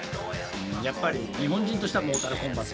やっぱり日本人としてはモータルコンバット。